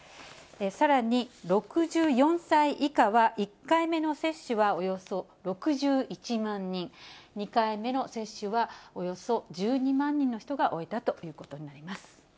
さらに６４歳以下は、１回目の接種はおよそ６１万人、２回目の接種はおよそ１２万人の人が終えたということになります。